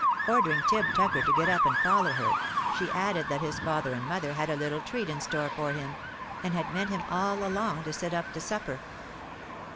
Ordering Tib Tucker to get up and follow her, she added that his father and mother had a little treat in store for him, and had meant him all along to sit up to supper.